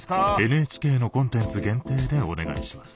ＮＨＫのコンテンツ限定でお願いします。